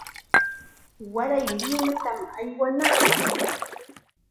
Waray Limatam aywanaa.